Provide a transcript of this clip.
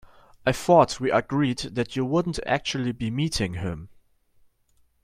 I thought we'd agreed that you wouldn't actually be meeting him?